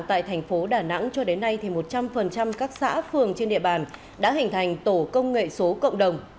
tại thành phố đà nẵng cho đến nay thì một trăm linh các xã phường trên địa bàn đã hình thành tổ công nghệ số cộng đồng